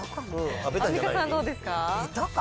アンミカさん、どうですか？